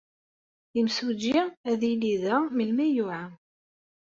Imsujji ad yili da melmi ay yuɛa.